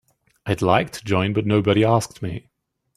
I'd like to join but nobody asked me.